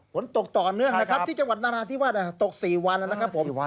ฝนตกต่อเนื่องนะครับที่จังหวัดนราธิวาสตก๔วันนะครับผม